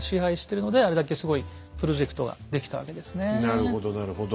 なるほどなるほど。